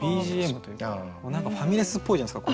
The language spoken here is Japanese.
何かファミレスっぽいじゃないですか